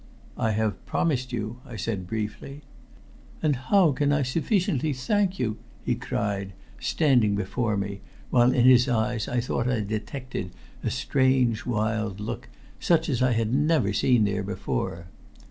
"I have promised you," I said briefly. "And how can I sufficiently thank you?" he cried, standing before me, while in his eyes I thought I detected a strange wild look, such as I had never seen there before.